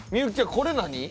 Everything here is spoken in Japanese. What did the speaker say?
これ何？